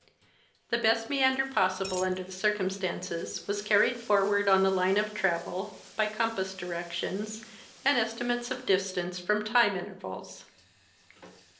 The best meander possible under the circumstances was carried forward on the line of travel by compass direc tions and estimates of distance from time intervals.